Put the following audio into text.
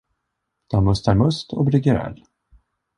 De mustar must och brygger öl.